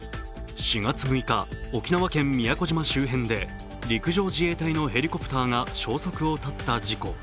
４月６日、沖縄県宮古島周辺で陸上自衛隊のヘリコプターが消息を絶った事故。